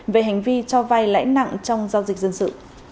về hành vi cho vay lãi nặng trong giao dịch dân sự